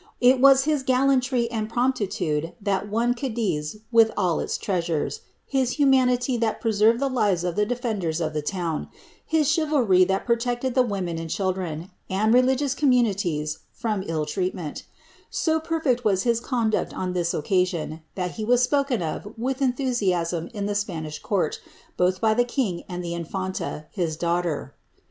It was his gallantry and promptitude that won Gadix lU its treasures, his humanity that presenred the lives of the de « of the town, his chivalry that protected the women and children, sligions communities, from ill treatment ; so perfect was his con on this occasion, that he was spoken of with enthusiasm in the ih eourt, both by the king and the infenta, his daughter.